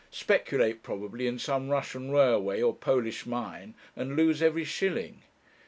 Speculate probably in some Russian railway, or Polish mine, and lose every shilling.